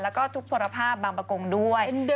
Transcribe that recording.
แล้วก็ทุกพลภาพบางประกงด้วย